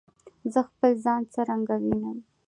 زه خپل ځان څرنګه وینم؟